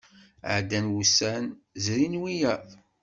Ɛeddan wussan, zrin wiyaḍ.